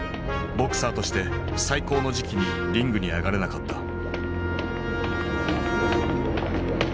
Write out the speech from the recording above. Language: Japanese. ボクサーとして最高の時期にリングに上がれなかった。